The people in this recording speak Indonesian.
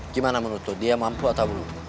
gimana menurut lo dia mampu atau belum